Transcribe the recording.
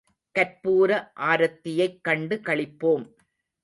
கற்பூர ஆரத்தியைக் கண்டு களிப்போம்.